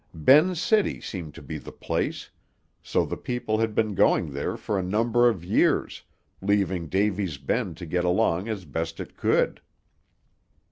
Ben's City seemed to be the place; so the people had been going there for a number of years, leaving Davy's Bend to get along as best it could.